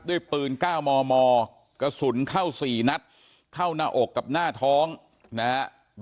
ด้วยปืน๙มมกระสุนเข้า๔นัดเข้าหน้าอกกับหน้าท้องนะฮะ